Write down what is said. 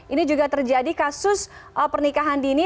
ini juga terjadi kasus pernikahan dini